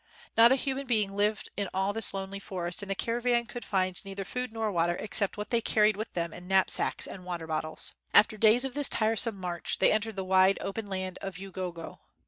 Not a human being lived in all this lonely forest and the caravan could find neither food nor water except what they carried with them in knapsacks and water bottles. After days of this tire some march, they entered the wide, open land of Ugogo.